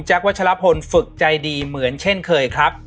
วัชลพลฝึกใจดีเหมือนเช่นเคยครับ